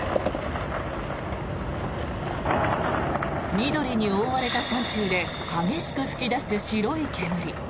緑に覆われた山中で激しく噴き出す白い煙。